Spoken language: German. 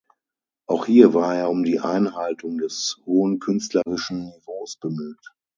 Auch hier war er um die Einhaltung des hohen künstlerischen Niveaus bemüht.